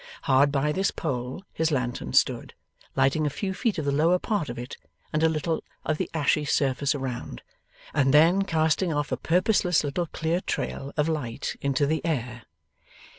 Hard by this pole, his lantern stood: lighting a few feet of the lower part of it and a little of the ashy surface around, and then casting off a purposeless little clear trail of light into the air.